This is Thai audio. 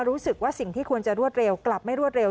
รู้สึกว่าสิ่งที่ควรจะรวดเร็วกลับไม่รวดเร็